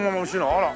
あら。